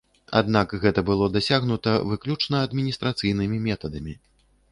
Аднак гэта было дасягнута выключна адміністрацыйнымі метадамі.